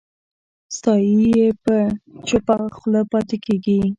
ستایي یې چوپه خوله پاتې کېږي